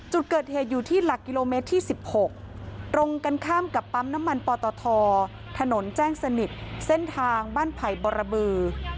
จุดเกิดเหตุอยู่ที่หลักกิโลเมตรที่๑๖ตรงกันข้ามกับปั๊มน้ำมันปตทถนนแจ้งสนิทเส้นทางบ้านไผ่บรบือ